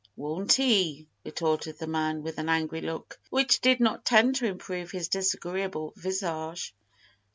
"Won't he?" retorted the man, with an angry look, which did not tend to improve his disagreeable visage.